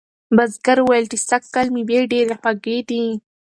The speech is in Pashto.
بزګر وویل چې سږکال مېوې ډیرې خوږې دي.